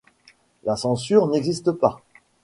La censure n'existe pas.